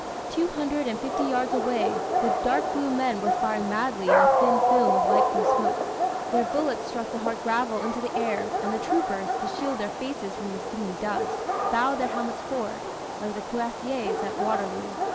"Two hundred and fifty yards away, the dark blue men were firing madly in a thin film of light blue smoke. Their bullets struck the hard gravel into the air, and the troopers, to shield their faces from the stinging dust, bowed their helmets forward, like the Cuirassiers at Waterloo.